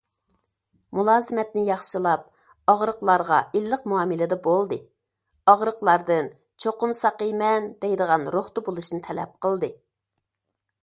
مۇلازىمەتنى ياخشىلاپ، ئاغرىقلارغا ئىللىق مۇئامىلىدە بولدى، ئاغرىقلاردىن چوقۇم ساقىيىمەن دەيدىغان روھتا بولۇشنى تەلەپ قىلدى.